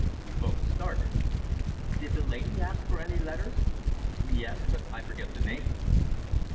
We both started. "Did the lady ask for any letters?" "Yes. But I forget the name."